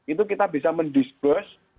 itu kita bisa mendisperse